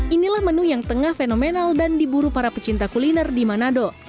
inilah menu yang tengah fenomenal dan diburu para pecinta kuliner di manado